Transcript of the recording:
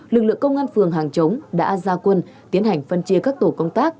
lực lượng công an phường hàng chống đã ra quân tiến hành phân chia các tổ công tác